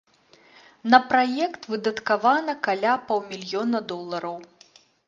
На праект выдаткавана каля паўмільёна долараў.